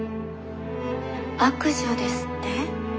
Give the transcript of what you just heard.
悪女ですって？